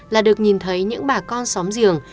là được nhìn thấy những bà con xóm giường